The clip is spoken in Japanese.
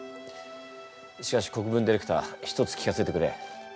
しかし国分ディレクター一つ聞かせてくれ。